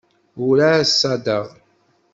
Ur εad ṣaddeɣ.